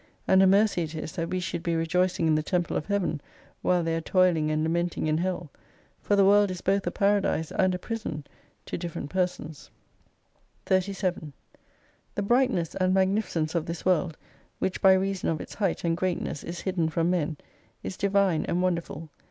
And a mercy it is that we should be rejoicing in the Temple of Heaven, while they are toiling and lament ing in Hell, for the world is both a Paradise and a Prison to different persons. 37 The brightness and magnificence of this world, which by reason of its height and greatness is hidden from men, is Divine and "Wonderful.